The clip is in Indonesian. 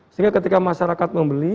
sehingga ketika masyarakat membeli